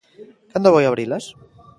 ¿Cando vai abrilas?